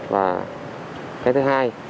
và cái thứ hai